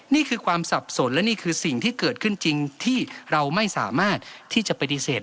นี่คือความสับสนและนี่คือสิ่งที่เกิดขึ้นจริงที่เราไม่สามารถที่จะปฏิเสธ